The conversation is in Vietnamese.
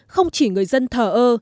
không chỉ người dân thờ ơ